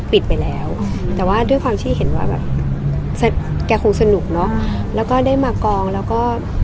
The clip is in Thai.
ปิดไปแล้วแต่ว่าด้วยความที่เห็นว่าแบบแกคงสนุกเนอะแล้วก็ได้มากองแล้วก็